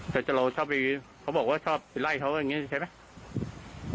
เจ้าเจ้าเราชอบอย่างงี้เขาบอกว่าชอบไล่เขาอย่างงี้ใช่ไหม